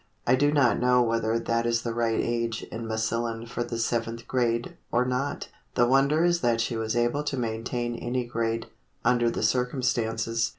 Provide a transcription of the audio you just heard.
I do not know whether that is the right age in Massillon for the Seventh Grade, or not. The wonder is that she was able to maintain any grade, under the circumstances.